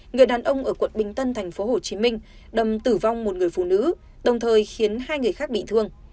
người đàn ông ở quận bình tân tp hcm đâm tử vong một người phụ nữ đồng thời khiến hai người khác bị thương